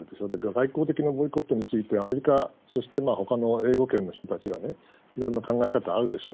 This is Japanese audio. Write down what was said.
外交的なボイコットについてはアメリカ、そしてほかの英語圏の人たちはいろんな考え方あるでしょう。